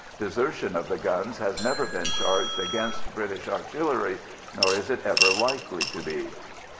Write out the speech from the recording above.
Desertion of the guns has never yet been charged against British artillery, nor is it ever likely to be.